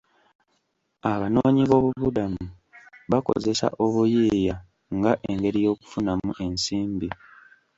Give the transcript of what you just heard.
Abanoonyi boobubudamu bakozesa obuyiiya nga engeri y'okufunamu ensimbi